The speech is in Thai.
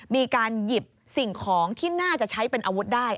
มีการหยิบสิ่งของที่น่าจะใช้เป็นอาวุธได้